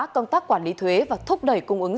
công tác quản lý thuế và thúc đẩy cung ứng